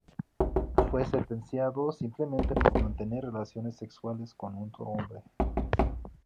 Fue sentenciado simplemente por 'mantener relaciones sexuales con otro hombre'.